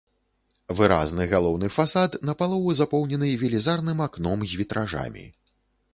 Выразны галоўны фасад напалову запоўнены велізарным акном з вітражамі.